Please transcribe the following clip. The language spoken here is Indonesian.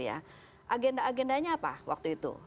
agenda agendanya apa waktu itu